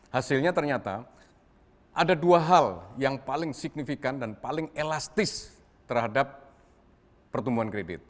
hasilnya ternyata ada dua hal yang paling signifikan dan paling elastis terhadap pertumbuhan kredit